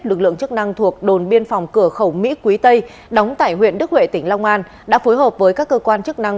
lực lượng chức năng thuộc đồn biên phòng cửa khẩu mỹ quý tây đóng tại huyện đức huệ tỉnh long an đã phối hợp với các cơ quan chức năng